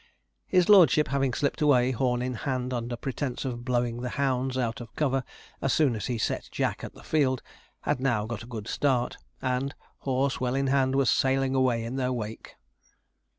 His lordship having slipped away, horn in hand, under pretence of blowing the hounds out of cover, as soon as he set Jack at the field, had now got a good start, and, horse well in hand, was sailing away in their wake.